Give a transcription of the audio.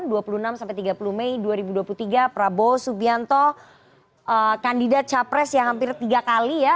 dua puluh enam sampai tiga puluh mei dua ribu dua puluh tiga prabowo subianto kandidat capres yang hampir tiga kali ya